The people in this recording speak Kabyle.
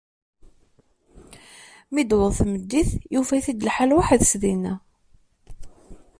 Mi d-tewweḍ tmeddit, yufa-t-id lḥal weḥd-s dinna.